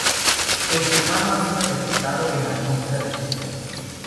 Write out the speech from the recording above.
El germano ha sido detectado en la atmósfera de Júpiter.